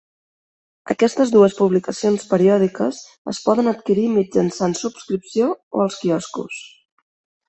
Aquestes dues publicacions periòdiques es poden adquirir mitjançant subscripció o als quioscos.